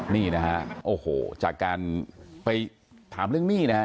นี่นะฮะโอ้โหจากการไปถามเรื่องหนี้นะฮะ